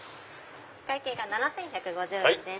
お会計が７１５０円です。